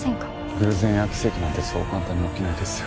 偶然や奇跡なんてそう簡単に起きないですよ。